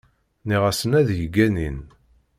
Nniɣ-asen ad yi-ganin.